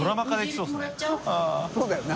そうだよな。